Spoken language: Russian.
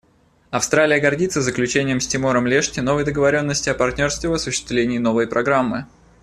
Австралия гордится заключением с Тимором-Лешти новой договоренности о партнерстве в осуществлении Новой программы.